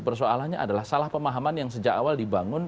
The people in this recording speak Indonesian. persoalannya adalah salah pemahaman yang sejak awal dibangun